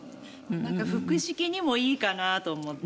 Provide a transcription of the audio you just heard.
腹式にもいいかなと思って。